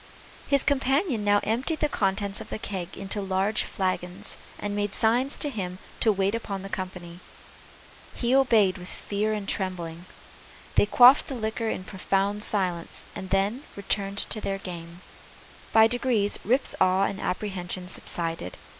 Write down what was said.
His companion now emptied the contents of the keg into large flagons, and made signs to him to wait upon the company. He obeyed with fear and trembling; they quaffed the liquor in profound silence, and then returned to their game. By degrees, Rip's awe and apprehension subsided.